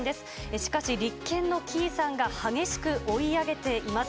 しかし立憲の城井さんが激しく追い上げています。